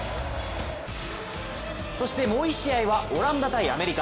そしてもう１試合はオランダ×アメリカ。